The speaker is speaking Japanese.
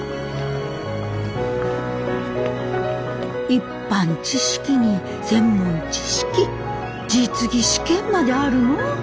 一般知識に専門知識実技試験まであるの？